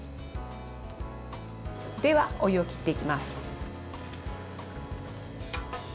では、お湯を切っていきます。